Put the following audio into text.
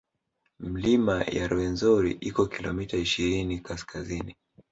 Milima ya Rwenzori iko kilomita ishirini kaskazini